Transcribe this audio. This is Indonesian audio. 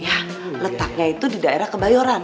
ya letaknya itu di daerah kebayoran